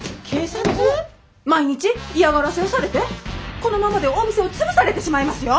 毎日嫌がらせをされてこのままではお店を潰されてしまいますよ。